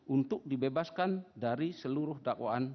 untuk dibebaskan dari seluruh dakwaan